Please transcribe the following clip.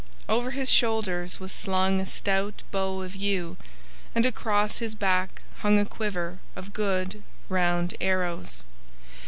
Over his shoulders was slung a stout bow of yew, and across his back hung a quiver of good round arrows.